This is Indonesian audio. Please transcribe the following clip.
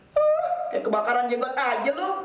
kayak kebakaran jenggot aja tuh